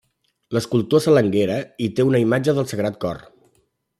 L'escultor Salanguera hi té una imatge del Sagrat Cor.